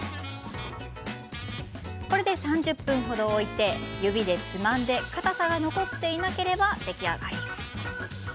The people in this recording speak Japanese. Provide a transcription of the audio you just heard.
３０分程置いて、指でつまんでかたさが残っていなければ出来上がり。